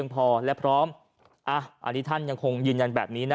พอและพร้อมอันนี้ท่านยังคงยืนยันแบบนี้นะ